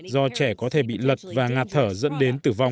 do trẻ có thể bị lật và ngạt thở dẫn đến tử vong